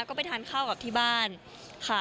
ก็ไปทานข้าวกับที่บ้านค่ะ